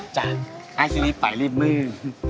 จ้ะให้ซิริฟต์ไปรีบมือ